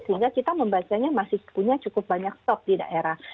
sehingga kita membacanya masih punya cukup banyak stok di daerah